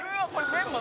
メンマ？」